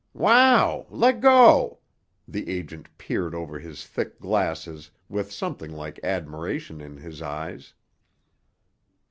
"Wow! Leggo!" The agent peered over his thick glasses with something like admiration in his eyes.